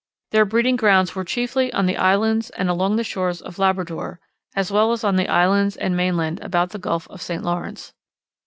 Their breeding grounds were chiefly on the islands and along the shores of Labrador, as well as on the islands and mainland about the Gulf of St. Lawrence.